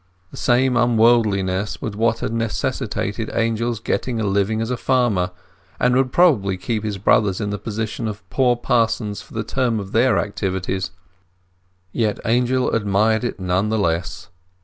The same unworldliness was what had necessitated Angel's getting a living as a farmer, and would probably keep his brothers in the position of poor parsons for the term of their activities; yet Angel admired it none the less.